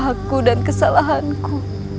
aku dan kesalahanku